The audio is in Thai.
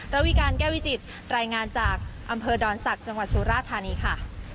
ระวิการแก้วิจิตรายงานจากอำเภอดอนศักดิ์จังหวัดสุราธานีค่ะ